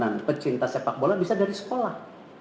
dan pecinta sepak bola bisa dari sekolah